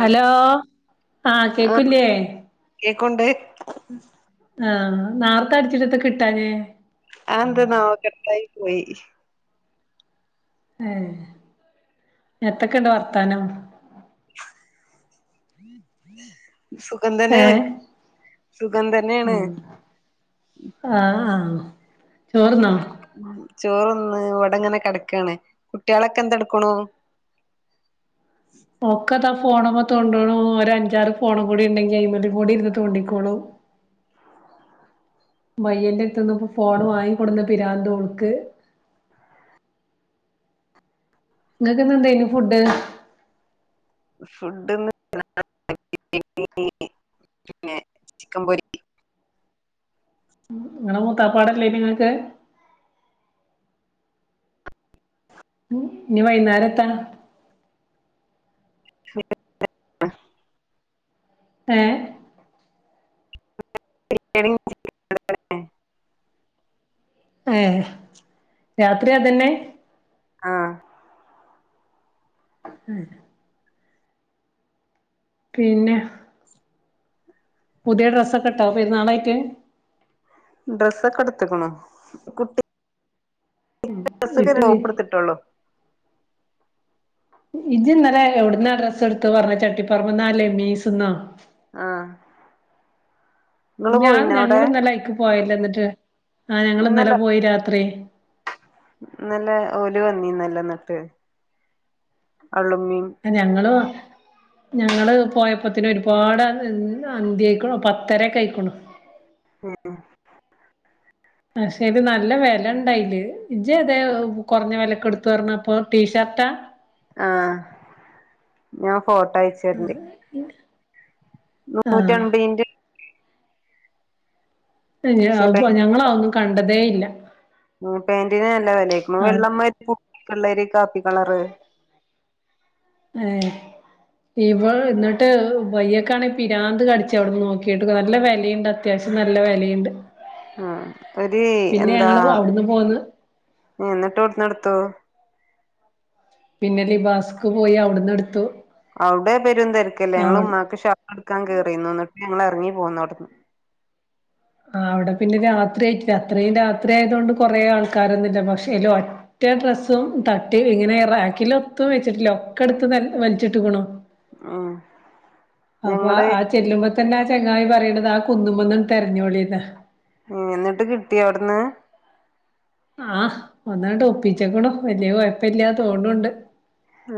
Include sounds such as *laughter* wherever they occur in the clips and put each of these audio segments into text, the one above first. Hello ആഹ കേക്കില്ലേ ക്കൊണ്ട് ഇന്ന് ആർക്കാ അടിച്ചിട്ട് കിട്ടാനേ അന്ത് നാവ കത്തായി *inaudible* പോയി ഏ എത്തൊക്കെ ഇണ്ട് വർത്താനം സുഗം തന്നെയാണ് ഏഹ് സുഗം തന്നെയാണ് ഉം ആഹ് ആഹ് ചോറ്ന്നോ ഉ ചോറ്ന്ന്. ഇവിടെങ്ങനെ കിടക്കാണ് കുട്ടിയേളൊക്കെ എന്ത്ട്ക്കുണോ? ഒക്കതാ ഫോണ് മ്മ തോണ്ടണു. ഒരഞ്ചാറ് ഫോണും കൂടി ഉണ്ടെങ്കി അയിമലും കൂടി ഇരുന്ന് തോണ്ടിക്കോളു. ബയ്യന്റെ ത്ത്ന്ന് *unintelligible* ഫോണ് മാങ്ങി കൊട്ന്ന് പിരാന്തോൾക്ക് ഇങ്ങക്ക് ന്ന് എന്തേനു ഫുഡ്? ഫുഡ് *unintelligible* ബിരിയാണി പിന്നെ ചിക്കൻ പൊരി ഇങ്ങളെ മൂത്താപ്പാടല്ലേ നി ങ്ങക്ക് ഉം ഇനി വൈന്നേരത്താ? *unintelligible* ഏ? *unintelligible* ഏ രാത്രിയതന്നെ. ആഹ് ഉം പിന്നെ പുതിയ ഡ്രസ്സൊക്കെ ഇട്ടോ പെരുന്നാളായിട്ട് ഡ്രെസ്സൊക്കെ ഇട്ത്തുക്കുണു. കുട്ടി *unintelligible* ഡ്രെസ്ക്കരു ഇട്ട് ടോപ്പ്ട്ത്തിട്ടുള്ളോ ഇജ് ന്നലെ എവിട്ന്നാ ഡ്രസ്സ് ടുത്തു പറഞ്ഞെ ചട്ടിപ്പറമ്പ് ന്നാ ലെമീസ്ന്നോ ആ ഞാഞങ്ങളിന്നലെ ഐക്ക് പോയല്ലന്നിട്ട് ആ ഞങ്ങളിന്നലെ ഇന്നലെ പോയി രാത്രി ല് വന്നീന്നലോ ന്നിട്ട് അ ഞങ്ങളു ഞങ്ങള് പോയപ്പത്തിനൊരുപാട് ന്ന് ന്ത്യക്കുണു പത്തരൊക്കയ്ക്കുണു ഉ ഉം പക്ഷെത് നല്ല വെലണ്ടയില് ഇജ്ജ്‌ അതെ കൊറഞ്ഞ വെലക്ക് ട്ത്തു റഞ്ഞപ്പൊ ടീഷർട്ടാ ആ ഞ്ഞം ഫോട്ടോ അയച്ചേരണ്ട് ആഹ് നൂറ്റെൺപീന്റെ ക്ഷെ പെ ഞങ്ങളതൊന്നും കണ്ടതേ ഇല്ല ആ പേന്റിന് നല്ല വെലൈകുണു അവിടെ വെള്ളമ്മ പൂക്കള്ളൊരൂ കാപ്പി കളറ് ഏ ഇപൊ ന്നിട്ട് വയ്യൊക്കാണേ പിരാന്ത് കടിച്ചവിടെ നോക്കീട്ട് നല്ല വെലീണ്ട് അത്യാവശ്യം നല്ല വെലീണ്ട് ഉം ഒരു എന്താ അവിടുന്ന് പോന്ന് എന്നിട്ട് വിടന്ന്ടത്തു പിന്നെ ലിബാസ്ക് പോയി അവിടന്ന് എടുത്തു. അവിടെ പെരുംതെരക്കല്ലേ ഞങ്ങൾ അവി ഉമ്മാക്ക് ഷാളെടുക്കാൻ കേറീന്ന് എന്നിട്ട് ഞങ്ങളിറങ്ങി പോന്നോവിടന്ന്. ആ അവിടെ പിന്നെ രാത്രിയയിട്ടില്ല അത്രയും രാത്രി ആയത കൊണ്ട് കൊറെേ ആൾക്കാരൊന്നുമില്ല പക്ഷേ അല ഒറ്റ ഡ്രസ്സും തട്ടി ഇങ്ങനെ റാക്കില ഒത്തും വെച്ചിട്ടില്ല ഒക്കെ എടുത്ത് വലിച്ചിട്ടക്കണു. ഉം അപ്പൊ ഞങ്ങള് ആ ചെല്ലുമ്പോ തന്നെ ചെങ്ങായി പറയണ്ടത് ആ കുന്നുമെന്ന് തെര ഞൊളിന്ന ഉം എന്നിട്ട് കിട്ടിയ അവിടുന്ന്? ആ ഒന്നങ്ങൊട്ട് ഒപ്പിച്ചക്കണു വലിയ കോയപ്പില്ല തോണണ്ട്. ആ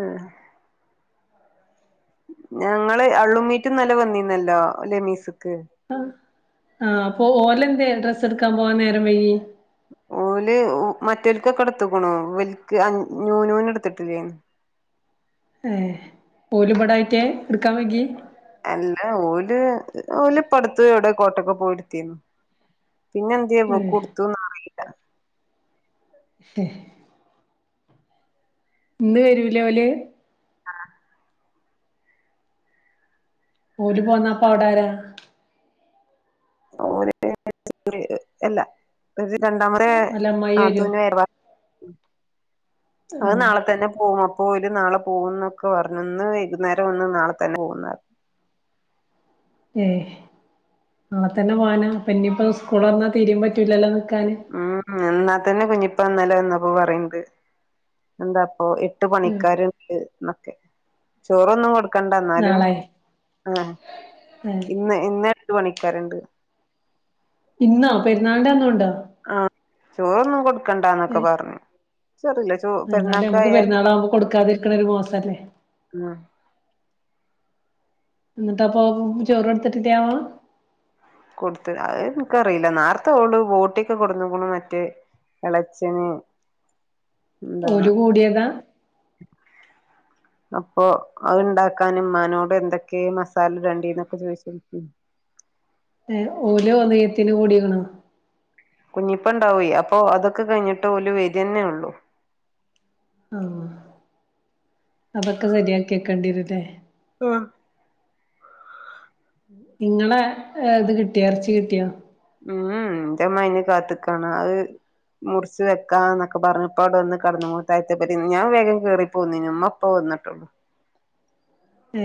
ഞങ്ങള് അള്ളും മീറ്റുംനല്ല വന്നിന്നല്ലോ ലെമീസ്. ആ ആഹ അപ്പൊ ഓലെ എന്ത ഡ്രസ്സ് എടുക്കാൻ പോവാൻ നേരം വൈകിയെ. ഓല് മറ്റൊലിക്കൊ ക്കെ എടുത്തക്കണു വലക്ക് നൂനൂന് എടുത്തിട്ടില്ലെ. ഏ ഓലിപടായിറ്റാ എടുക്കാൻ വൈകി. അല്ല ഓല് ഓലിപ്പടുത്ത് എവിടെ കോട്ടൊക്കെ പോയിടെത്തിന്ന്. പിന്നെ എന്ത് പോ ഏഹ് കൊടുത്തു നാ *unintelligible* ഇന്ന് വരൂലേ ഓല്? ആ ഓര് പോന്നപ്പ അവിടരാ? *unintelligible* എല്ലാം രണ്ടാമത് ഓലെ അമ്മായി വരോ നാത്തൂന് *unintelligible* അവര് നാളെ തന്നെ പോകും. ഇപ്പ വരും നാളെ പോകുന്നൊക്കെ പറഞ്ഞ് ഇന്ന് വൈകുന്നേരം വന്ന് നാളെ തന്നെ പോകുന്നെ. ഏ നാളെ തന്നെ പോവാന ഇനിയിപ്പോ സ്കൂൾ തുറന്നാൽ തീരെ പറ്റൂലല്ലോ. നിക്കാന് ഉം നിന്നാത്തന്നെ കുഞ്ഞി ഇപ്പ ഇന്നലെ വന്നപ്പോ പറയണ്ട് എന്താ ഓ എട്ട് ഉം പണിക്കാരുണ്ട് ചോറൊന്നും കൊടു ണ്ട എന്നാലും നാളെ ആ ഏഹ് ഇന്ന് ഇന്ന് പണിക്കാരുണ്ട്. ഇന്നോ പെരുന്നളിന്റെന്നു ഉണ്ടോ? ആ ചോറൊന്നും കൊടുക്കണ്ടന്നൊക്കെ ഏഹ് പറഞ്ഞു. ചോറില്ല ചോ എന്നാലും നമുക്ക് പെരുന്നാക്കായാൽ പെരുന്നാളാവുമ്പോ കൊടുക്കാതിരിക്കണ ഒരു മോശല്ലേ. ഉം എന്നിട്ട് അപ്പൊ ചോറ്ടുത്തിട്ട് *inaudible* കൊടുത്ത അ നിക്കറിയില്ല നേർത്തെ ഓള് ബോട്ടിയക്കെ കൊടുന്ന പോണ മറ്റേ ഇളേച്ചൻ ഓലു കൂടിയതാ അപ്പൊ അത്ണ്ടാക്കാന് മ്മാനോട് എന്തൊക്കെ മസാല രണ്ടിന്നൊക്കെ ചോയിച്ചിന് ഏ ഓലോ ഒള്ഹിയത്തിന് കൂടിക്ക്ണോ കുഞ്ഞിപ്പണ്ടാവേയ് അപ്പൊ അതൊക്കെ കഴിഞ്ഞിട്ട് ഓല് വരെന്നെള്ളു ആ അതൊക്കെ ശെരിയാക്കി വക്കേണ്ടി വരൂല്ലേ? ആഹ്. നിങ്ങളെ ഇത് കിട്ടിയ ഇറച്ചി കിട്ടിയാ? ഉം എന്റെ ഉമ്മ അതിന് കാത്തിക്കാണ് അത് മുറിച്ച് വെക്കാന്നൊക്കെ പറഞ്ഞപ്പ അവിടെ വന്ന് *unintelligible* ഞാൻ വേഗം കേറി പോന്ന് ഉമ്മ ഇപ്പ വന്നിട്ടുള്ളു. ഏ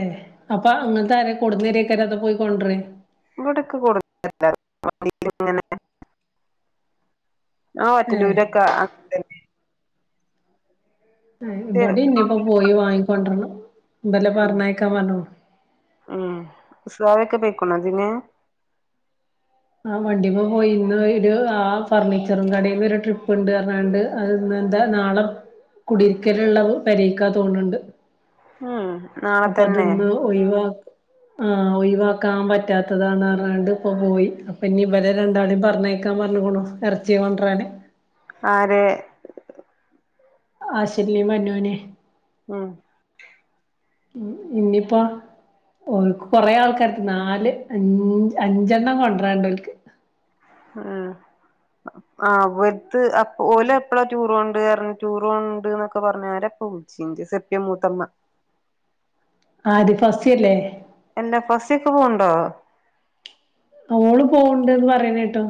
അപ്പൊ അങ്ങനത്തെ ആര കൊണ്ടെന്ന് തരേക്കാര അതാ പോയി കൊണ്ടാരേ? *unintelligible* ആ ഏഹ് ഒറ്റലൂരൊക്കെ *unintelligible* ഇവിടെ ഇന്നയിപ്പോ പോയി വാങ്ങിക്കൊണ്ടുവരണം *unintelligible* *unintelligible* ആ വണ്ടിന് പോയി ഇന്ന് ആ ഫർണിച്ചർ കടന്ന് ഒരു ട്രിപ്പ് ഉണ്ട് പറഞ്ഞാണ്ട് അത് ഇന്ന് എന്താ നാളെ കുടിരിക്കല് ഉള്ള പെരേക്കാ തോന്നണ്ട് ഹമ് അപ്പൊ അത് ഇന്ന് ഒഴിവാ- ആഹ് ഒയവാക്കാൻ പറ്റാത്തതാണ് റാണ്ട് ഇപ്പ പോയി അപ്പൊ ഇനി ഇവരെ രണ്ടാളും പറഞ്ഞേക്കാൻ പറഞ്ഞ കൊണു ഇറച്ചിയ കൊണ്ടരാൻ ആര് ആശ്വതിയേം മനുനേം ഉം ഇനിയിപ്പോ ഓൾക്ക് കൊറേ ആൾക്കാാര് നാല് അഞ്ച് അഞ്ചെണ്ണം കൊണ്ടരണ്ട് ഒക്ക് ഉ ആ വത്ത് അ ഓല എപ്പഴാ ടൂറ് പോണ്ട് ക ടൂറുണ്ട്ന്നൊക്കെ പറഞ്ഞ ആരപ്പ ഉച്ചീ സെപ്പ്യ മൂത്തമ്മ ആത് ഫസ്റ്റ് ഇല്ലേ *unintelligible* ഫസ്സിക്കെ പോവുണ്ടോ അവൾ പോണ്ട്ന്ന് പറയണ കേട്ടു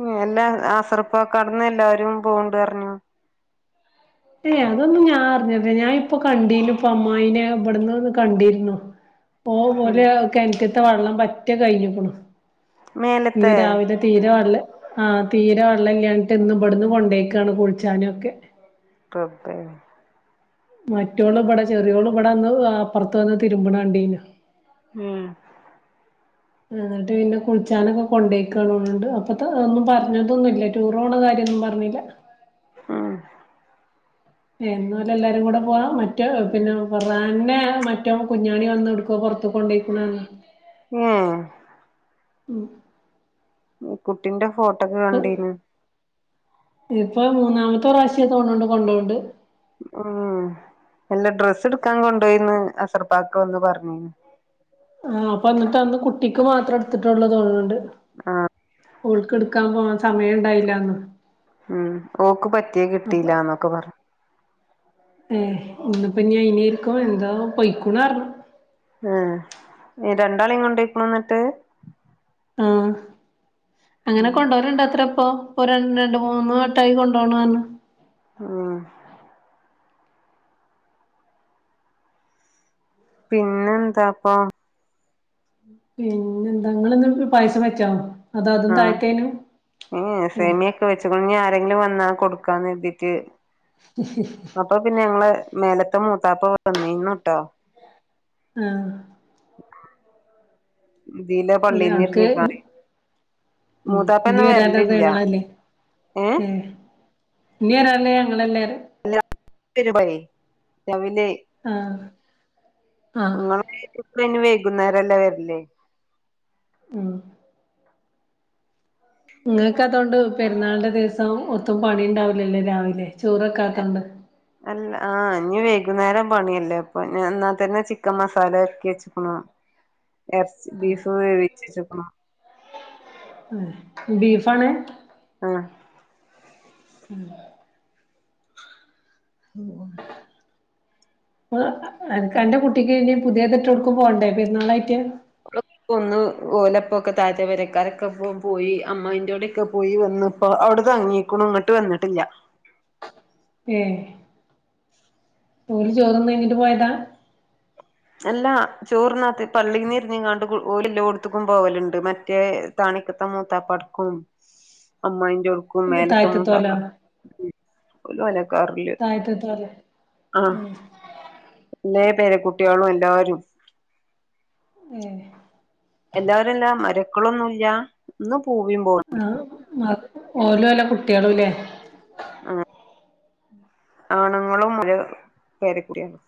ഉം എല്ലാ ആസ്രപ്പക്കാ കടന്ന് എല്ലാരും പോണ്ട് പറഞ്ഞു ഏ അതൊന്നും ഞാൻ അറിഞ്ഞില്ല ഞാൻ ഇപ്പൊ കണ്ടീലും ഇപ്പൊ അമ്മായിനെ ഇവിടുന്ന് ഒന്ന് കണ്ടിരുന്നു പോ ഉം പോലെ ഒക്കെ എനിക്ക് ത്തെ വെള്ളം പറ്റേ കഴിഞ്ഞിക്ണു ഇന്ന് മേലത്തെ രാവിലെ തീരെ വള്ള ആഹ് തീരെ വെള്ളം ഇലഞ്ഞിട്ട് ഇന്ന് ഇവിടന്ന് കൊണ്ടേയ്കാണ് കൂളിച്ചാനൊക്കെ *unintelligible* മറ്റൊൾ ഇവിടെ ചെറിയോൾ ഇവിടെ അന്ന് അപ്പുറത്ത് വന്ന് തിരുമ്പണ കണ്ടീന് ഉം എന്നിട്ട് പിന്നെ കുളിച്ചാനൊക്കെ കൊണ്ടേക്കണണ്ട് അപ്പത്ത ഒന്നും പറഞ്ഞതൊന്നുല്ല ഇ ടൂറോണ കാര്യന്നും പറഞ്ഞില്ല ആഹ് എന്നല എല്ലാരും കൂടെ പോവാ മറ്റേ പിന്നെ ഫർഹാൻ നെ മറ്റോ കുഞ്ഞാണി വന്ന് എടുക്കുവ പുറത്ത കൊണ്ടോക്കണ ഉം ഉം ഈ കുട്ടിന്റെ ഫോ *unintelligible* കണ്ടിന്ന് ഇപ്പൊ മൂന്നാമത്തെ പ്രാവശ്യ ണ്ട് കൊണ്ടോൊണ്ട് മ്മ് എല്ലാ ഡ്രെസ്സ് ട്ക്കാൻ കൊണ്ടോയിന്ന് അസർപ്പാക്ക വന്ന് പറഞ്ഞീന്ന് ആ അപ്പൊ എന്നിട്ട് അന്ന് കുട്ടിക്ക് മാത്രം എടുത്തിട്ടുള്ളതോന്നണ്ട് ആ ഓൾക്ക് ട്ക്കാൻ പോവാൻ സമയം ണ്ടായില്ലന്ന് ഉം ഓക്ക് പറ്റിയ കിട്ടിയില്ലാന്നൊക്കെ പറഞ് ഏ ഇന്നപ്പ ഇനരിക്കും എന്താ പൊയ്ക്കുണ് എ രണ്ടാളീം കൊണ്ടോയിക്കണോ ന്നട്ട് ആ അങ്ങനെ ഉം *unintelligible* ഇപ്പൊ ര രണ്ട് മൂന്നു വട്ടായി കൊണ്ട പറഞ്ഞു ആ പിന്നെ എന്താപ്പ പിന്നെന്താ ങ്ങള്ന്നട്ട് പായസംവെച്ചോ ആ ഏ ഏഹ് സേമിയൊക്കെ വെച്ച്കുണു ഞ് ആരെങ്കിലും വന്നാ കൊടുക് ക്കാ ന്നെര്തീട്ട് അപ്പം പിന്നെ ഞങ്ങള് മേലത്തെ മൂത്താപ്പ വന്നീന്നുട്ടോ ആ ഇതീലെ ഏഹ് അവ്ട്ക്ക് പള്ളീന്നിര്ഞ്ഞിക്കാണെ ഉം ഇനി മൂതാപ്പെന്നും വരാള്ളത് വെര്ലില്ല ഞങ്ങളല്ലേ ഏ ഇഞ് വെരാള്ളെ ഞങ്ങളല്ലേ പറിയ *unintelligible* ആ നിങ്ങള് ഇപന്നെ വെര് കുന്നേരല്ലെ വെര്ല് ആ ഇങ്ങക്കതോണ്ട് പെരുന്നാളിൻ്റെ ദീസം ഒത്തും പണി ഉണ്ടാവുല്ലല്ലൊ രാവിലെ ചോറെക്കാത്തതോണ്ട് അല്ല ആ ഇഞ് വൈകുന്നേരം പണിയല്ലേ അപ്പൊ ഞാ ന്നാ തന്നെ ചിക്കൻ മസാലെര്ട്ടി വെച്ച്ക്ക്ണു എർച്ചി ബീഫും വേവിച്ചെച്ച്ക്ക്ണു ഏ ബീഫാണ് ആഹ് മ്മ് മ്മ് മ്മ് അപോ അൻക്ക് അന്റെ കുട്ടികയ്ന് പുത്യേത്ട്ടെവുട്കും പോണ്ടെ പെര്ന്നാളായിറ്റ് ഓളൊകെപൊന്ന് ഓലെപ്പൊകെ തായത്തേപെരകാരക്കൊപ്പം പോയി അമ്മായിൻ്റോടിയൊകെ പോയി വെന്ന്പോ അവുടെ തങ്ങീകുണു ങ്ങട്ട് വെന്ന്ട്ട്ല്ല ഐ ഓല് ചോറ്ന്നയിഞ്ഞിട്ട് പോയതാ എല്ലാ ചോറ്ന്നാതെ പള്ളീന്ന്ര്ഞ്ങ്ങാണ്ട് ഓലെല്ലോട്ത്കും പോവല്ണ്ട് മറ്റേ താണിക്കത്തെ മൂത്താപ്പാട്കും അമ്മയിൻ്റോട് കും മേലത്തെ താഴത്തത്തോലോ മൂത്താപാക് ഓല് ഓലാട് തായത്ത്തോലെ മ്മ് എല്ലേ പേര കുട്ട്യാളും എല്ലാരും ഏഹ് എല്ലാരു അല്ല മരക്കളൊന്നുല്ല ഇന്ന് പൂവിം പോവ് ഓലുഓലെ കുട്ട്യാളുലെ അങ്ങനെ ആണുങ്ങളും ഓലെ പെരക്കുടിയാണ്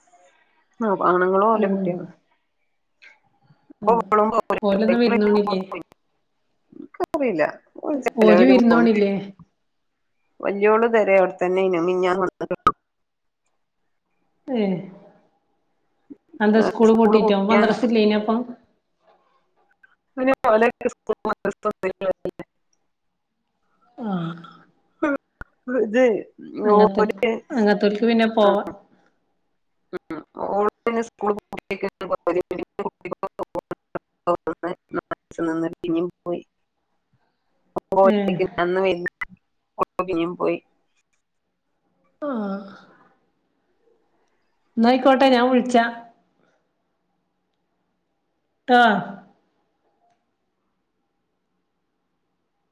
ഓപ്പ ആണ്ങ്ങളു ഓന്റെ കുട്ട്യേളും മ് ഓലൊന്നും വിര്ന്നോണില്ലേ അറിയില്ല ഓല് ചിലവര് വിര്ന്നോണില്ലേ വെല്ല്യോള് പെരേ അവ്ടതെന്നേനു മിഞ്ഞാന്ന് *unintelligible* ഏഹ് അയന്താ സ്കൂള് പൂട്ടിട്ടോ മദ്രസ്സ് ഇല്ലേനിയപ്പം *unintelligible* പോലെ *unintelligible* ആഹ് വെറുതെ അങ്ങത്തോല്ക്ക അങ്ങത്തോല്ക്ക് പിന്നെ പോവാ *unintelligible* സ്കൂള് *unintelligible* പിന്നിം പോയി ഏ *unintelligible* അന്ന് വൈ *unintelligible* പിന്നിം പോയ് ആ ഇന്നാ അയ്ക്കോട്ടെ ഞാൻ വിള്ച്ചാ ട്ടോ